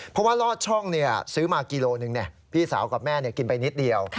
เพราะว่าลอดช่องซื้อมากิโลหนึ่งพี่สาวกับแม่กินไปนิดเดียว